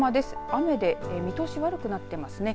雨で見通し悪くなってますね。